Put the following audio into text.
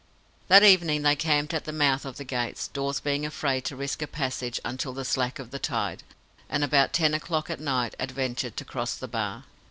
That evening they camped at the mouth of the Gates, Dawes being afraid to risk a passage until the slack of the tide, and about ten o'clock at night adventured to cross the Bar.